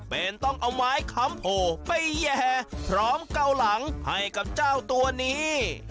เป็นต้องเอาไม้ค้ำโผล่ไปแห่พร้อมเกาหลังให้กับเจ้าตัวนี้